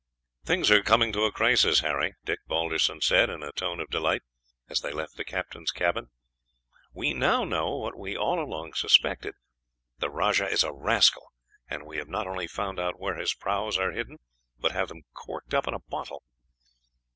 "Things are coming to a crisis, Harry," Dick Balderson said, in a tone of delight, as they left the captain's cabin. "We now know what we all along suspected the rajah is a rascal, and we have not only found out where his prahus are hidden, but have them corked up in a bottle."